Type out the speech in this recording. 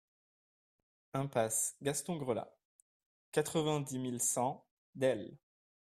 Impasse Gaston Grelat, quatre-vingt-dix mille cent Delle